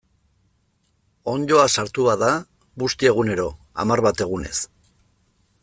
Onddoa sartu bada, busti egunero, hamar bat egunez.